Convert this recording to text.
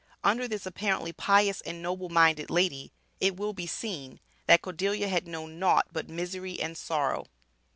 Under this apparently pious and noble minded lady, it will be seen, that Cordelia had known naught but misery and sorrow.